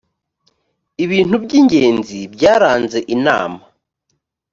ibintu by’ingenzi byaranze inama